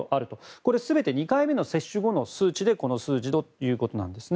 これ、全て２回目の接種後の数値でこの数字だということなんですね。